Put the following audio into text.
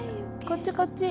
こっちこっち。